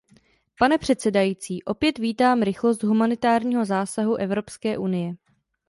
Pane předsedající, opět vítám rychlost humanitárního zásahu Evropské unie.